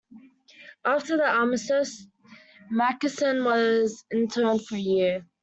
After the Armistice, Mackensen was interned for a year.